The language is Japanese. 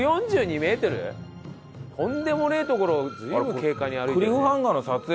とんでもねえ所を随分軽快に歩いてるよ。